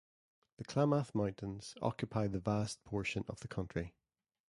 The Klamath Mountains occupy the vast portion of the county.